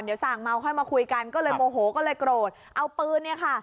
เดี๋ยวสั่งเมาค่อยมาคุยกันก็เลยโมโหก็เลยโกรธเอาปืนเนี่ยค่ะ